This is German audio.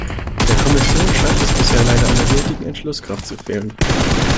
Der Kommission scheint es bisher leider an der nötigen Entschlusskraft zu fehlen.